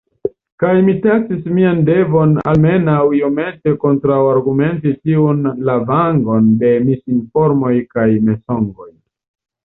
Kaj mi taksis mian devon almenaŭ iomete kontraŭargumenti tiun lavangon da misinformoj kaj mensogoj.